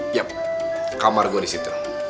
yap kamar gua disitu